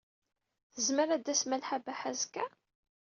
Tezmer ad d-tas Malḥa Baḥa azekka?